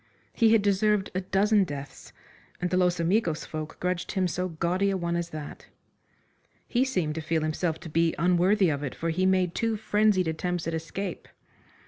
He had deserved a dozen deaths, and the Los Amigos folk grudged him so gaudy a one as that. He seemed to feel himself to be unworthy of it, for he made two frenzied attempts at escape.